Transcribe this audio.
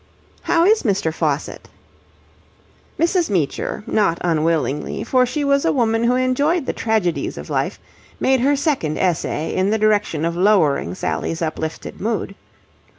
"How is Mr. Faucitt?" Mrs. Meecher, not unwillingly, for she was a woman who enjoyed the tragedies of life, made her second essay in the direction of lowering Sally's uplifted mood.